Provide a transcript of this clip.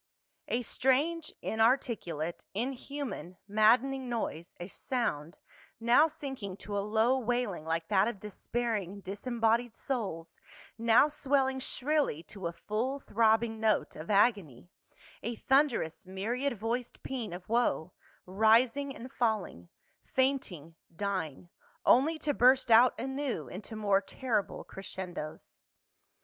A STRANGE, inarticulate, inhuman, maddcninj^ noise, a sound, now sinking to a low wailini^ like that of despairing disembodied souls, now swelling shrilly to a full throbbing note of agony, a thunderous myriad voiced pean of woe, rising and falling, fainting, dying, only to burst out anew into more terrible cres cendos.